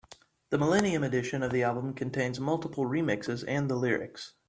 The millennium edition of the album contains multiple remixes and the lyrics.